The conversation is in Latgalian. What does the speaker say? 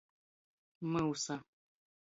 Myusa.